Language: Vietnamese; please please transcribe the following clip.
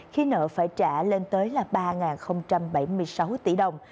khi nợ phải trả lên tới là ba bảy mươi sáu tỷ đồng